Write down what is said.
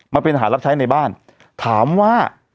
มาเป็นหารับใช้ในบ้านถามว่า